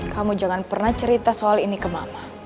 kamu jangan pernah cerita soal ini ke mama